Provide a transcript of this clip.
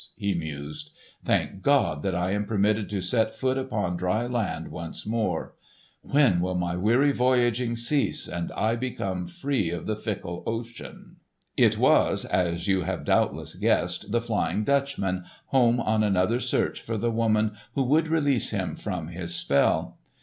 he mused. "Thank God, that I am permitted to set foot upon dry land once more! When will my weary voyaging cease, and I become free of this fickle ocean?" If was, as you have doubtless guessed, the Flying Dutchman, home on another search for the woman who would release him from his spell.